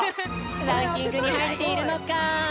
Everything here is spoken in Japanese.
ランキングにはいっているのか？